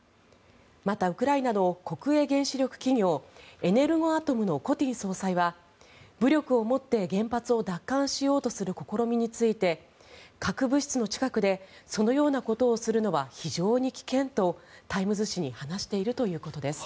また、ウクライナの国営原子力企業のエネルゴアトムのコティン総裁は武力をもって原発を奪還しようとする試みについて核物質の近くでそのようなことをするのは非常に危険とタイムズ紙に話しているということです。